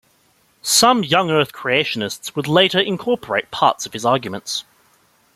Some young Earth creationists would later incorporate parts of his arguments.